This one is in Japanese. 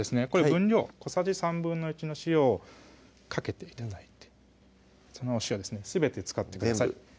分量小さじ１／３の塩をかけて頂いてそのお塩ですねすべて使ってください